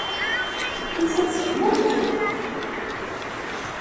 Yusa-d seg Madrid.